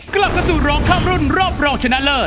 กลับเข้าสู่รองคับรุ่นรอบรองชนะเลิศ